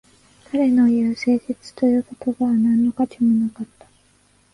彼の言う誠実という言葉は何の価値もなかった